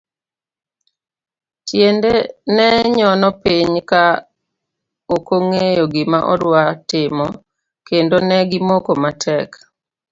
Tiende ne nyono piny ka okong'eyo gima odwa timo, kendo negi moko matek.